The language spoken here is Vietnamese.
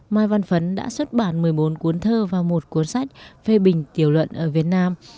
mai văn phấn đã xuất bản một mươi bốn cuốn thơ và một cuốn sách phê bình tiểu luận ở việt nam